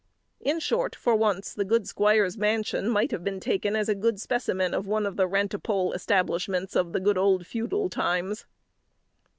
In short, for once, the good squire's mansion might have been taken as a good specimen of one of the rantipole establishments of the good old feudal times.